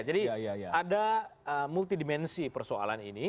jadi ada multi dimensi persoalan ini